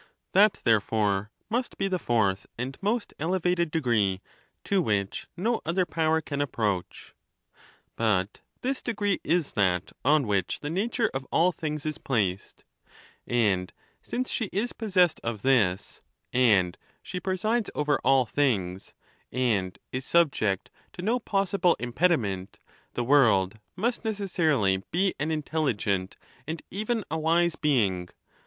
That, therefore, must be the fourth and most elevated degree to which no other power can approach. 268 THE NATURE OF THE GODS. But this degree is that on which the nature of all things is placed ; and since she is possessed of this, and she pre sides over all things, and is subject to no possible impedi ment, the world must necessarily be an intelligent and even a wise being.